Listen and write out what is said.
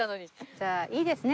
じゃあいいですね？